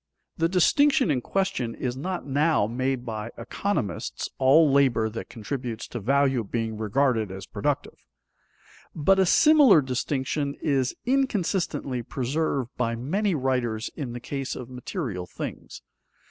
The distinction in question is not now made by economists, all labor that contributes to value being regarded as productive. But a similar distinction is inconsistently preserved by many writers in the case of material things.